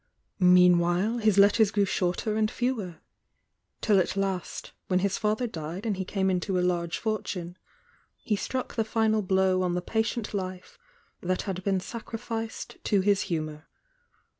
Meanwhile his letters grew shorter and fewer till at last, when his father died and he came into a lari fortune, he struck the final b ow on the patient life that had been sacrificed to his hmour.